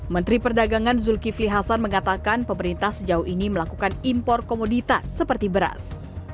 menteri perdagangan zulkifli hasan mengatakan pemerintah sejauh ini melakukan impor komoditas seperti beras